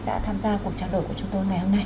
đã tham gia cuộc trao đổi của chúng tôi ngày hôm nay